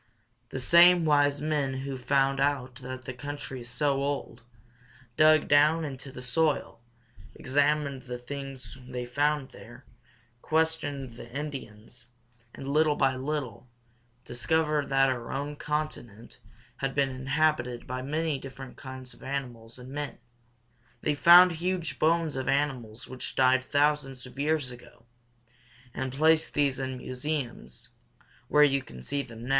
The same wise men who found out that the country is so old, dug down into the soil, examined the things they found there, questioned the Indians, and, little by little, discovered that our continent has been inhabited by many different kinds of animals and men. They found huge bones of animals which died thousands of years ago, and placed these in museums, where you can now see them.